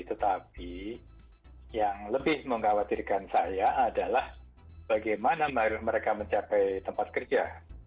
tetapi yang lebih mengkhawatirkan saya adalah bagaimana mereka mencapai tempat kerja